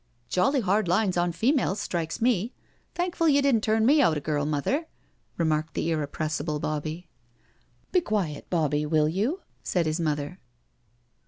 " Jolly hard lines on females, strikes me — thankful you didn't turn me out a girl, mother," remarked the irrepressible Bobbie. " Be quiet, Bobbie, will you," said his mother.